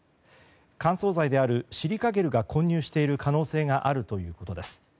乾燥剤であるシリカゲルが混入している可能性があるということです。